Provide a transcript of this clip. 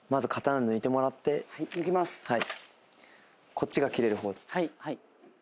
こっちが斬れる方です。